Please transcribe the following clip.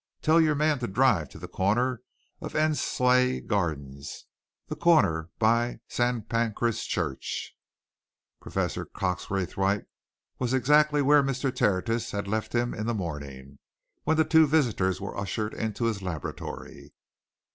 Tell your man to drive to the corner of Endsleigh Gardens the corner by St. Pancras Church." Professor Cox Raythwaite was exactly where Mr. Tertius had left him in the morning, when the two visitors were ushered into his laboratory.